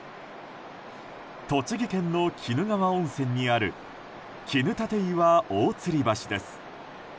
栃木県の鬼怒川温泉にある鬼怒楯岩大吊橋です。